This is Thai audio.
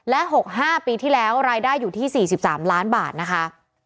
และ๖๕ปีที่แล้วรายได้อยู่ที่๔๓ล้านบาทนะคะ